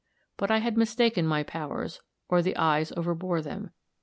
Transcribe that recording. But I had mistaken my powers, or the eyes overbore them.